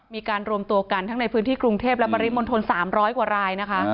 มีการรวมตัวกันทั้งในพื้นที่กรุงเทพและปริมณฑล๓๐๐กว่ารายนะคะ